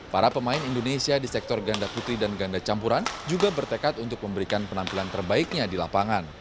para pemain indonesia di sektor ganda putri dan ganda campuran juga bertekad untuk memberikan penampilan terbaiknya di lapangan